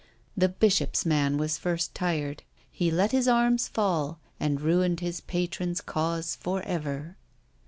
The bishop's man was first tired: he let his arms fall, and ruined his patron's cause for ever.